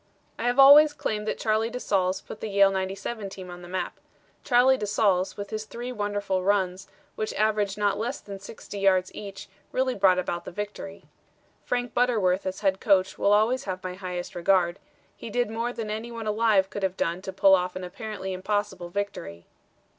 "I have always claimed that Charlie de Saulles put the Yale '97 team on the map. Charlie de Saulles, with his three wonderful runs, which averaged not less than 60 yards each, really brought about the victory. "Frank Butterworth as head coach will always have my highest regard; he did more than any one alive could have done to pull off an apparently impossible victory."